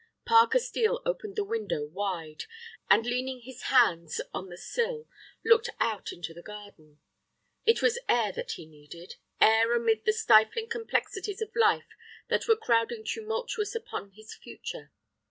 Parker Steel opened the window wide, and leaning his hands on the sill, looked out into the garden. It was air that he needed—air amid the stifling complexities of life that were crowding tumultuous upon his future.